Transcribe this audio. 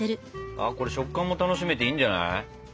ああこれ食感も楽しめていいんじゃない？